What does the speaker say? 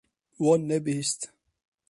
Wan nebihîst.